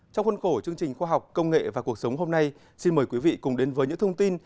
trong khuôn khổ chương trình khoa học công nghệ và cuộc sống hôm nay xin mời quý vị cùng đến với những thông tin